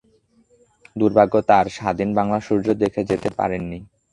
দুর্ভাগ্য তাঁর, স্বাধীন বাংলার সূর্য দেখে যেতে পারেন নি।